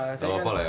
nggak apa apa lah ya